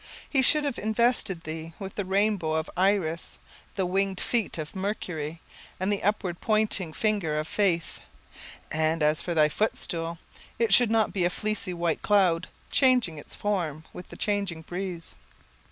He should have invested thee with the rainbow of Iris, the winged feet of Mercury, and the upward pointing finger of Faith; and as for thy footstool, it should be a fleecy white cloud, changing its form with the changing breeze.